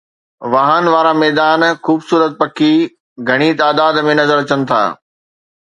واهڻ وارا ميدان، خوبصورت پکي گهڻي تعداد ۾ نظر اچن ٿا.